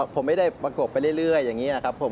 ผมไม่ได้ประกบไปเรื่อยอย่างนี้นะครับผม